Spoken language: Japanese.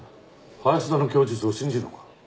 林田の供述を信じるのか？